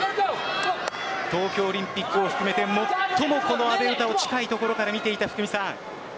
東京オリンピックを含めて最も阿部詩を近いところから見ていた福見さん。